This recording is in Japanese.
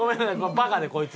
バカでこいつは。